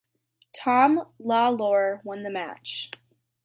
Tom Lawlor won the match.